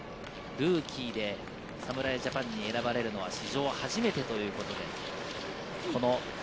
ルーキーで侍ジャパンに選ばれるのは史上初めてということになります。